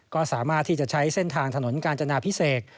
ก็สามารถที่จะใช้เส้นทางถนนกาญจนาพิเศษ